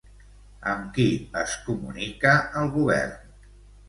Amb qui es comunica el govern?